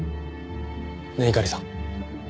ねっ猪狩さん。